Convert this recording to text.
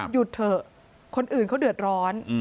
หยุดเถอะคนอื่นเขาเดือดร้อน